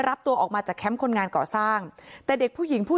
รับตัวออกมาจากแคมป์คนงานก่อสร้างแต่เด็กผู้หญิงผู้